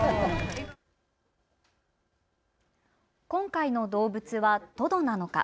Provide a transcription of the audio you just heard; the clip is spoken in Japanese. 今回の動物はトドなのか。